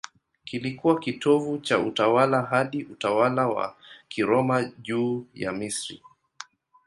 Kilikuwa kitovu cha utawala hadi utawala wa Kiroma juu ya Misri.